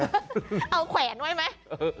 เอาแขวนไว้ไหม